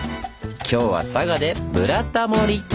今日は佐賀で「ブラタモリ」！